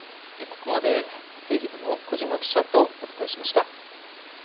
ここまで政治部の小嶋記者とお伝えしました。